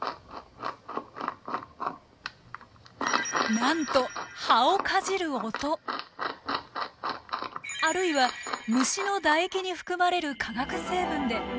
なんとあるいは虫の唾液に含まれる化学成分で敵を認識。